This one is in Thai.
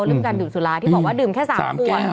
เรื่องการดื่มสุราที่บอกว่าดื่มแค่๓ขวด